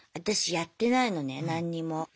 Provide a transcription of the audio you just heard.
私やってないのね何にも。